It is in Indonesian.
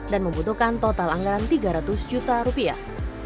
dan membutuhkan total anggaran tiga ratus juta rupiah